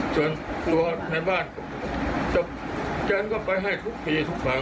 ส่วนตัวในบ้านฉันก็ไปให้ทุกทีทุกครั้ง